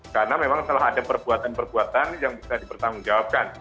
karena memang telah ada perbuatan perbuatan yang bisa dipertanggungjawabkan